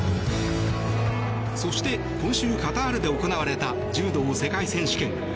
そして、今週カタールで行われた柔道世界選手権。